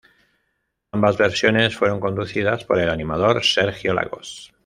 Ambas versiones fueron conducidas por el animador Sergio Lagos.